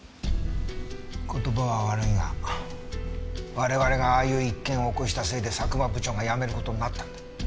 言葉は悪いが我々がああいう一件を起こしたせいで佐久間部長が辞める事になったんだ。